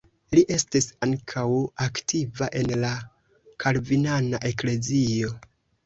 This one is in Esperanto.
Li estis ankaŭ aktiva en la kalvinana eklezio.